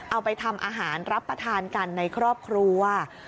เอาไปทำอาหารรับประทานกันในครอบครัว